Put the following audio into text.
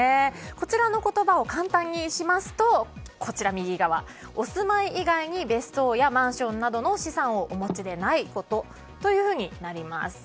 こちらの言葉を簡単にしますと右側の、お住まい以外に別荘やマンションなどの資産をお持ちでないことというふうになります。